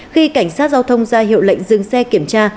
khi cảnh sát giao thông ra hiệu lệnh dừng xe kiểm tra